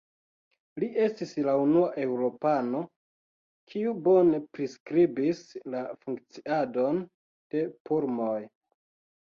Li estis la unua eŭropano, kiu bone priskribis la funkciadon de pulmoj.